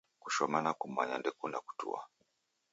Kushoma na kumanya ndekune kutua